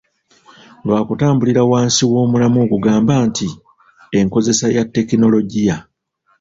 Lwakutambulira wansi w’omulamwa ogugamba nti, "Enkozesa ya tekinologiya" .